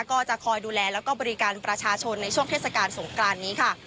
ก็จะคอยดูแลแล้วก็บริการประชาชนในช่วงเทศกาลสงกรานนี้ค่ะ